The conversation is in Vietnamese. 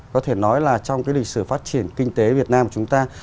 có thể nói là trong cái lịch sử phát triển kinh tế việt nam của chúng ta